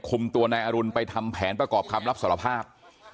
คุมตัวนายอรุณไปทำแผนประกอบคำรับสารภาพ